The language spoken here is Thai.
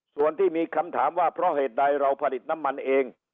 ส่วนที่มีคำถามว่าเพราะเหตุใดเราผลิตน้ำมันเอง